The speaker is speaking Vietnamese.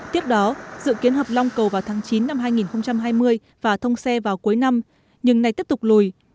tiếp đó dự kiến hợp long cầu vào tháng chín năm hai nghìn hai mươi và thông xe vào cuối năm nhưng này tiếp tục lùi